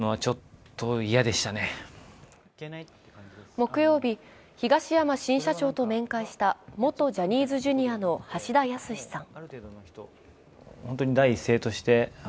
木曜日、東山新社長と面会した元ジャニーズＪｒ．の橋田康さん。